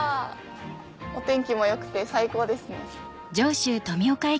お天気もよくて最高ですね。